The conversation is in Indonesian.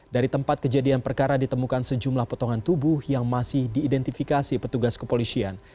dari tempat kejadian perkara ditemukan sejumlah potongan tubuh yang masih diidentifikasi petugas kepolisian